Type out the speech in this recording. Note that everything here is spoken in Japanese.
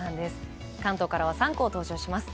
関東からは３校登場します。